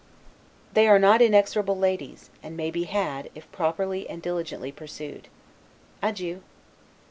They are not inexorable Ladies, and may be had if properly, and diligently pursued. Adieu.